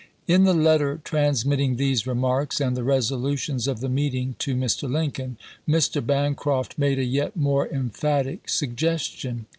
In the letter transmitting these remarks and the resolutions of the meeting to Mr. Lincoln, Mr. Bancroft made a yet more emphatic suggestion.